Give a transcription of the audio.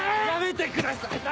やめてください！